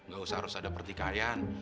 gak usah harus ada pertikaian